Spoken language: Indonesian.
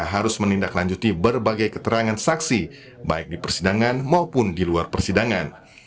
harus menindaklanjuti berbagai keterangan saksi baik di persidangan maupun di luar persidangan